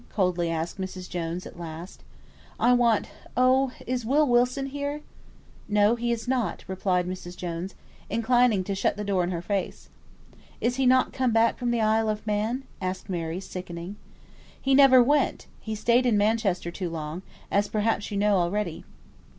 coldly asked Mrs. Jones at last. "I want Oh! is Will Wilson here?" "No, he is not," replied Mrs. Jones, inclining to shut the door in her face. "Is he not come back from the Isle of Man?" asked Mary, sickening. "He never went; he stayed in Manchester too long; as perhaps you know, already."